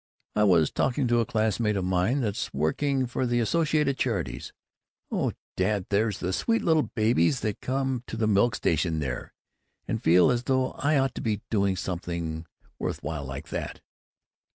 I was talking to a classmate of mine that's working for the Associated Charities oh, Dad, there's the sweetest little babies that come to the milk station there! and I feel as though I ought to be doing something worth while like that."